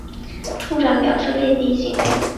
处长表示被逼紧了